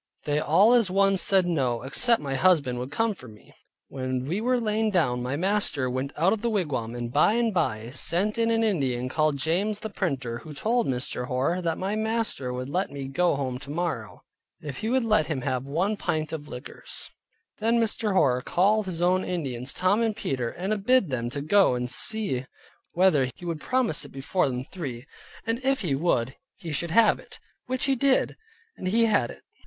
They all as one said no, except my husband would come for me. When we were lain down, my master went out of the wigwam, and by and by sent in an Indian called James the Printer, who told Mr. Hoar, that my master would let me go home tomorrow, if he would let him have one pint of liquors. Then Mr. Hoar called his own Indians, Tom and Peter, and bid them go and see whether he would promise it before them three; and if he would, he should have it; which he did, and he had it.